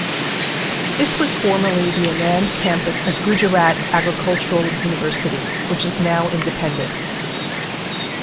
This was formerly the Anand Campus of Gujarat Agricultural University, which is now independent.